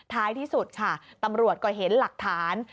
ท้ายที่สุดค่ะตำรวจก็เห็นหลักฐาน